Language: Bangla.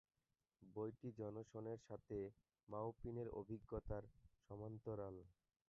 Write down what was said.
বইটি জনসনের সাথে মাওপিনের অভিজ্ঞতার সমান্তরাল।